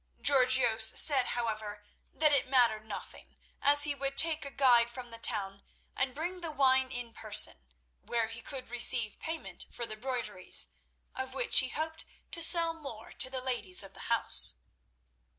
Georgios said, however, that it mattered nothing, as he would take a guide from the town and bring the wine in person, when he could receive payment for the broideries, of which he hoped to sell more to the ladies of the house.